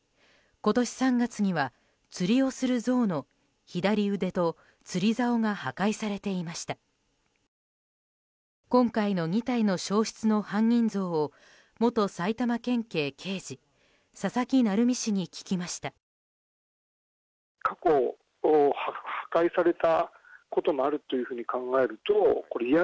今回の２体の消失の犯人像を元埼玉県警刑事佐々木成三氏に聞きました。